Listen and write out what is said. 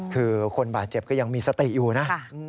คือคนบาดเจ็บก็ยังมีสติอยู่นะ